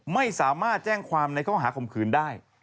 ไม่สามารถแจ้งความในข้อหาข่มขืนได้